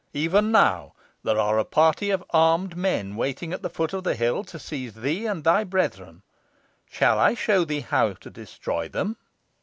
Even now there are a party of armed men waiting at the foot of the hill to seize thee and thy brethren. Shall I show thee how to destroy them?"